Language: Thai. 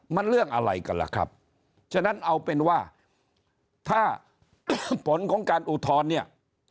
มันเรื่องอะไรกันล่ะครับฉะนั้นเอาเป็นว่าถ้าผลของการอุทธรณ์เนี่ย